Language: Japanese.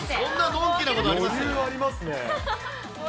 余裕ありますね。